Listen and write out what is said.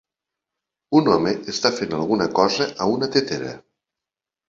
Un home està fent alguna cosa a una tetera.